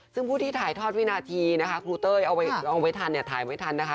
ซึ่งผู้ที่ถ่ายทอดวินาทีนะคะครูเต้ยเอาไว้ลองไว้ทันเนี่ยถ่ายไว้ทันนะคะ